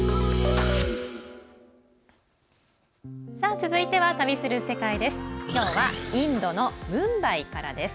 続いては「旅する世界」です。